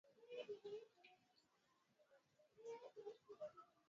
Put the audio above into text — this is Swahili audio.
Mifano ya mingi iko pa mutandao, njuu ya kuyuwa bintu muzuri